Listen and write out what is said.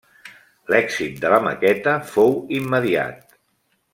L'èxit de la maqueta fou immediat.